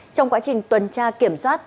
trong quá trình tuần tra kiểm soát